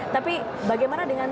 tapi bagaimana dengan